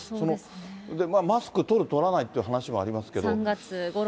マスク取る、取らないっていう話もありますけど。